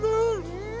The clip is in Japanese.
うん。